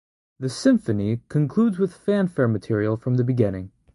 The symphony concludes with fanfare material from the beginning.